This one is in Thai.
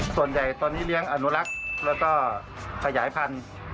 ส่วนใหญ่ตอนนี้เลี้ยงอนุรักษ์แล้วก็ขยายพันธุ์